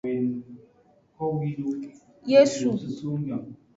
Yesu.